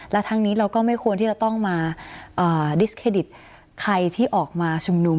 และทั้งนี้เราก็ไม่ควรที่จะต้องมาดิสเครดิตใครที่ออกมาชุมนุม